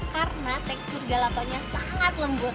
karena tekstur gelatonya sangat lembut